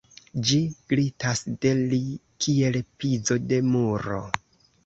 Ĝi glitas de li kiel pizo de muro.